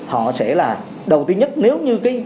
họ sẽ là đầu tiên nhất nếu như cái